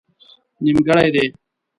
نيمګړئ دي